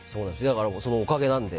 そのおかげなので。